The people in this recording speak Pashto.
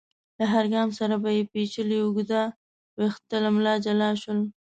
له هر ګام سره به يې پيچلي اوږده ويښته له ملا جلا شول.